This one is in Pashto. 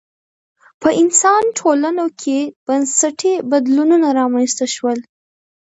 په انسان ټولنو کې بنسټي بدلونونه رامنځته شول